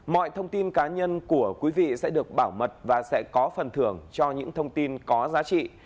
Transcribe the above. mọi thông tin cá nhân của quý vị sẽ được bảo mật và sẽ có phần thưởng cho những thông tin có giá trị